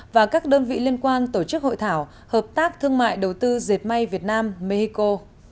và các đơn vị liên quan tổ chức hội thảo hợp tác thương mại đầu tư dệt may việt nam mexico